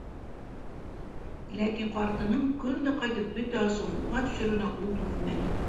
Ләкин ҡартының көн дә ҡайтып бөтә асыуын уға төшөрөүенә ул түҙмәне.